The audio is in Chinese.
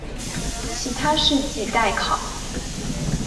其他事迹待考。